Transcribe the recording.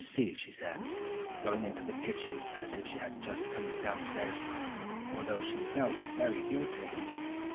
] "Let me see," said she, going into the kitchen as if she had just come downstairs, although she felt very guilty.